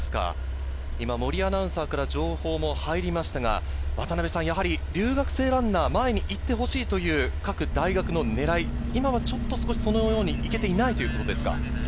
森アナウンサーから情報も入りましたが、留学生ランナーが前に行ってほしいという各大学の狙い、今はちょっと、そのように行けていないということですか？